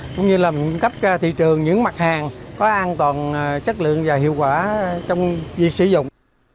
cũng như là cấp cho thị trường những mặt hàng có an toàn chất lượng và hiệu quả trong việc sử dụng